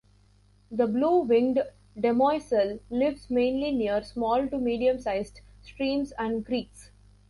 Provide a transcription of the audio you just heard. The blue-winged demoiselle lives mainly near small to medium-sized streams and creeks.